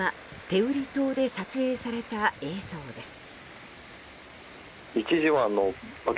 天売島で撮影された映像です。